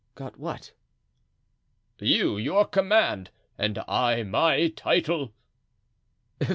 "Got what?" "You your command, and I my title?"